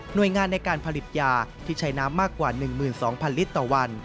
โดยงานในการผลิตยาที่ใช้น้ำมากกว่า๑๒๐๐ลิตรต่อวัน